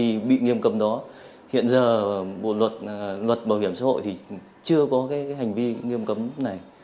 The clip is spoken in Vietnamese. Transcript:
vì bị nghiêm cấm đó hiện giờ luật bảo hiểm xã hội thì chưa có cái hành vi nghiêm cấm này